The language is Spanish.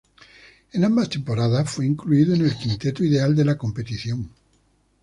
En ambas temporadas fue incluido en el quinteto ideal de la competición.